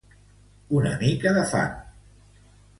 Una mica de fang.